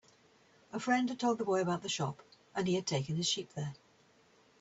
A friend had told the boy about the shop, and he had taken his sheep there.